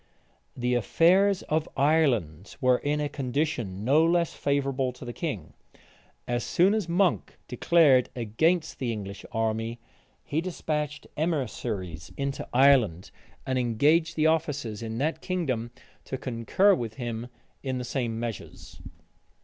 The affairs of Ireland were in a condition no less favorable to the king. As soon as Monk declared against the English army, he despatched emissaries into Ireland, and engaged the officers in that kingdom to concur with him in the same measures.